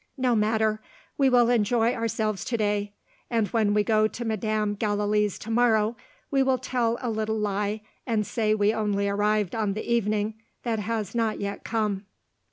No matter. We will enjoy ourselves to day; and when we go to Madam Gallilee's to morrow, we will tell a little lie, and say we only arrived on the evening that has not yet come."